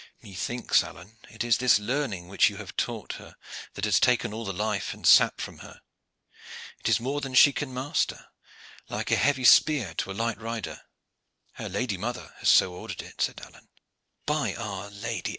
Methinks, Alleyne, it is this learning which you have taught her that has taken all the life and sap from her. It is more than she can master, like a heavy spear to a light rider." "Her lady mother has so ordered it," said Alleyne. "By our Lady!